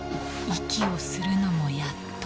息をするのもやっと。